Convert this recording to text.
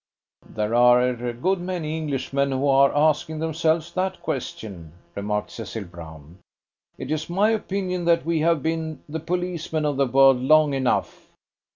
"There are a good many Englishmen who are asking themselves that question," remarked Cecil Brown. "It's my opinion that we have been the policemen of the world long enough.